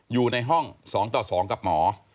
อยู่ในห้อง๒ต่อ๒กับหมอ